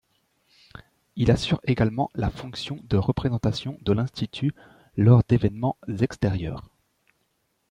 Il assure également la fonction de représentation de l'Institut lors d’événements extérieurs.